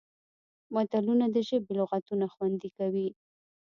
متلونه د ژبې لغتونه خوندي کوي